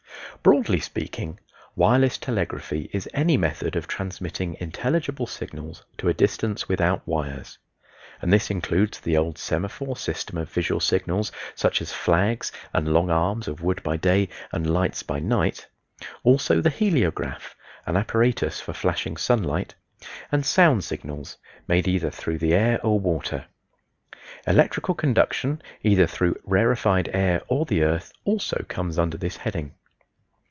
Broadly speaking, "Wireless Telegraphy" is any method of transmitting intelligible signals to a distance without wires; and this includes the old Semaphore systems of visual signals, such as flags and long arms of wood by day, and lights by night; also the Heliograph (an apparatus for flashing sunlight), and Sound Signals, made either through the air or water. Electrical conduction, either through rarefied air or the earth, also comes under this heading.